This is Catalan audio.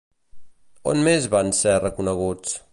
On més van ser reconeguts?